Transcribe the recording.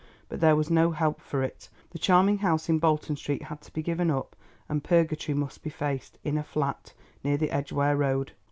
But there was no help for it; the charming house in Bolton Steet had to be given up, and purgatory must be faced, in a flat, near the Edgware Road.